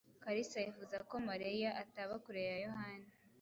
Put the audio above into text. Kalisa yifuza ko Mariya ataba kure ya Yohana.